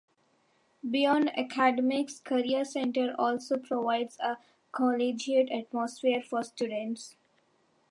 Beyond academics, Career Center also provides a collegiate atmosphere for students.